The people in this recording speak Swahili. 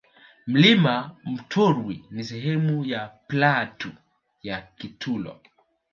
Mlima Mtorwi ni sehemu ya platu ya Kitulo